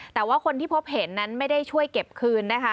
แต่ว่าคนที่พบเห็นนั้นไม่ได้ช่วยเก็บคืนนะคะ